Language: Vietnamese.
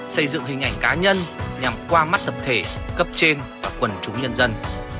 xây dựng hình ảnh cá nhân nhằm qua mắt tập thể cấp trên và quần chúng nhân dân